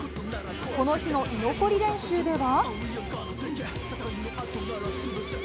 この日の居残り練習では。